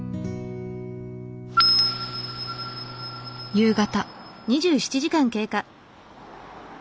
夕方。